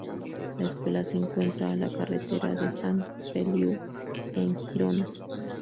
La escuela se encuentra a la carretera de Sant Feliu, en Girona.